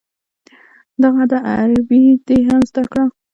دغه ده عربي دې هم زده کړه.